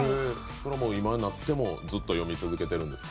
今になってもずっと読み続けてるんですか。